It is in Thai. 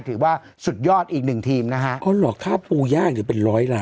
ถือว่าสุดยอดอีกหนึ่งทีมนะฮะอ๋อเหรอค่าปูย่างหรือเป็นร้อยล้าน